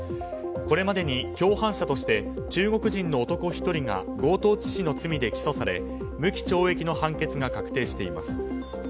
これまでに共犯者として中国人の男１人が強盗致死の罪で起訴され無期懲役の判決が確定しています。